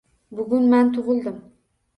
Bugun man tug‘ildim.